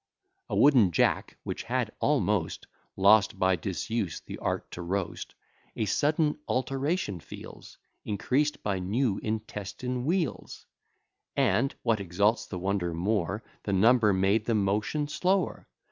A wooden jack, which had almost Lost by disuse the art to roast, A sudden alteration feels, Increas'd by new intestine wheels; And, what exalts the wonder more, The number made the motion slower.